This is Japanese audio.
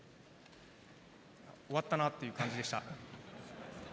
終わったなあという感じでした。